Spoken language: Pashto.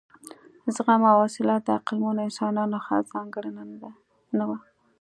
زغم او حوصله د عقلمنو انسانانو ښه ځانګړنه نه وه.